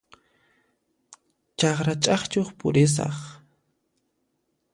Chakra ch'aqchuq purisaq.